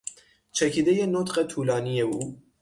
چکیدهی نطق طولانی او